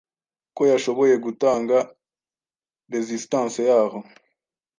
Ko yashoboye gutanga resistance yaho